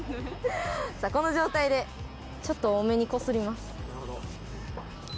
この状態でちょっと多めにこすります。